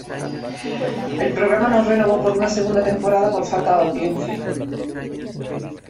El programa no renovó para una segunda temporada por falta de audiencia.